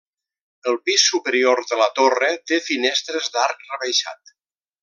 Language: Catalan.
El pis superior de la torre té finestres d'arc rebaixat.